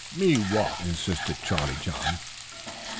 "Me walk," insisted Charlie John.